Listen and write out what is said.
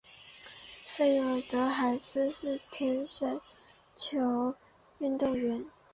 费尔德海斯是前水球运动员。